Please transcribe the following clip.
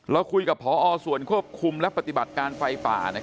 เราคุยกับพอส่วนควบคุมและปฏิบัติการไฟป่า